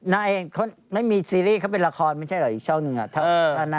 ไม่มีซีรีส์เขาเป็นละครไม่ใช่เหรออีกช่องหนึ่งอ่ะ